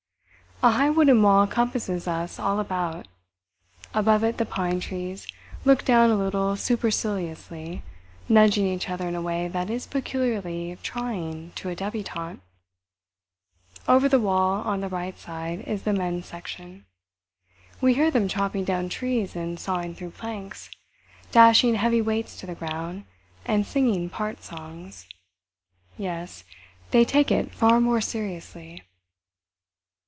A high wooden wall compasses us all about; above it the pine trees look down a little superciliously, nudging each other in a way that is peculiarly trying to a débutante. Over the wall, on the right side, is the men's section. We hear them chopping down trees and sawing through planks, dashing heavy weights to the ground, and singing part songs. Yes, they take it far more seriously.